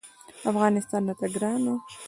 افغانستان راته ګران و.